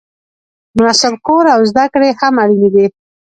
مناسب کور او زده کړې هم اړینې دي.